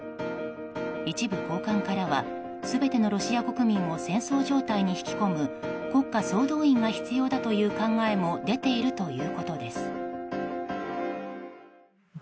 一部高官からは全てのロシア国民を戦争状態に引き込む国家総動員が必要だという考えも出ているということです。